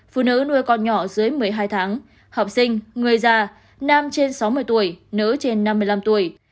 phụ nữ nuôi con nhỏ dưới một mươi hai tháng học sinh người già nam trên sáu mươi tuổi nữ trên năm mươi năm tuổi